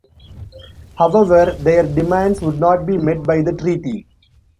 However, their demands would not be met by the treaty.